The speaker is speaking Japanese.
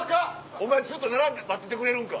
お前ずっと並んで待っててくれるんか？